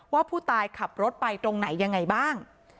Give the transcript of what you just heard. ว่าผู้ตายขับรถไปตรงไหนยังไงบ้าง